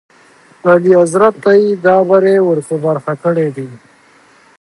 اعلیحضرت ته یې دا بری ور په برخه کړی دی.